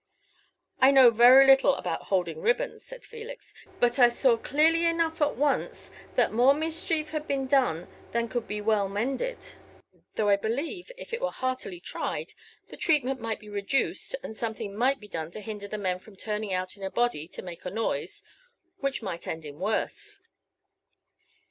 "I know very little about holding ribbons," said Felix; "but I saw clearly enough at once that more mischief had been done than could be well mended. Though I believe, if it were heartily tried, the treatment might be reduced and something might be done to hinder the men from turning out in a body to make a noise, which might end in worse."